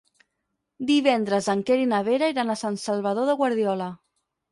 Divendres en Quer i na Vera iran a Sant Salvador de Guardiola.